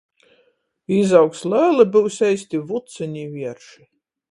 Izaugs leli — byus eisti vucyni i vierši.